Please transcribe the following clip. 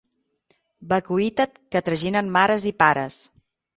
Vacuïtat que traginen mares i pares.